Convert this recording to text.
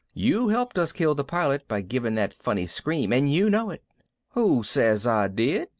You helped us kill the Pilot by giving that funny scream and you know it." "Who says I did?"